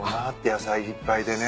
野菜いっぱいでね。